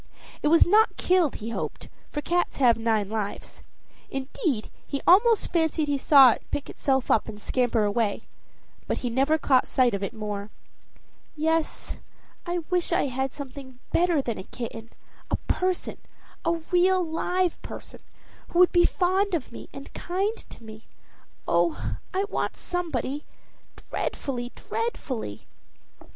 It was not killed, he hoped, for cats have nine lives; indeed, he almost fancied he saw it pick itself up and scamper away; but he never caught sight of it more. "Yes, I wish I had something better than a kitten a person, a real live person, who would be fond of me and kind to me. Oh, I want somebody dreadfully, dreadfully!"